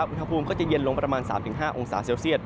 อุณหภูมิก็จะเย็นลงประมาณ๓๕องศาเซลเซียต